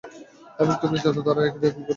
এবং তুমি জানো তারা এটা দিয়ে কি করবে।